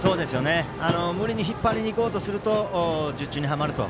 無理に引っ張りに行こうとすると術中にはまると。